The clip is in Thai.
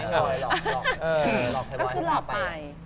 ก็คือหลอกไป